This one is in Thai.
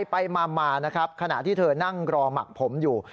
ไปมานะครับขณะที่เธอนั่งรอหมักผมอยู่